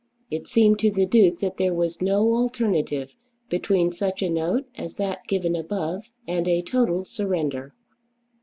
It seemed to the Duke that there was no alternative between such a note as that given above and a total surrender.